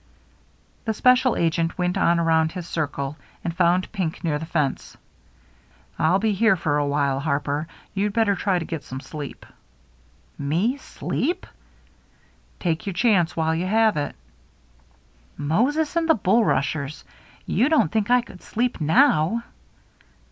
The special agent went on around his circle, and found Pink near the fence. " I'll be here for a while. Harper. You'd better try to get some sleep." "Me— sleep?" " Take your chance while you have it." " Moses and the bulrushers ! You don't think I could sleep now